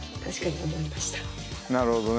なるほどね。